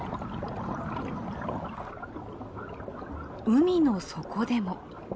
海の底でも。